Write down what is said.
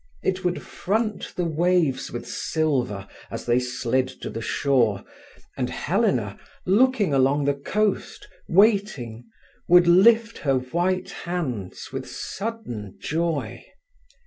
It would front the waves with silver as they slid to the shore, and Helena, looking along the coast, waiting, would lift her white hands with sudden joy.